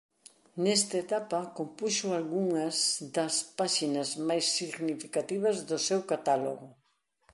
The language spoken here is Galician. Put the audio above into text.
Nesta etapa compuxo algunhas das páxinas máis significativas do seu catálogo.